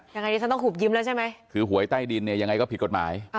ยังไงดิฉันต้องหุบยิ้มแล้วใช่ไหมคือหวยใต้ดินเนี่ยยังไงก็ผิดกฎหมาย